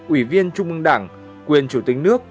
ủy viên trung ương đảng quyền chủ tịch nước